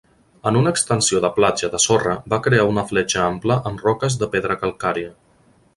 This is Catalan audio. En una extensió de platja de sorra va crear una fletxa ampla amb roques de pedra calcària.